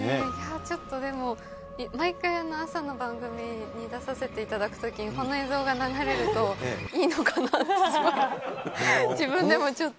ちょっと、でも、毎回、朝の番組に出させていただくときに、この映像が流れると、いいのかなって、自分でもちょっと。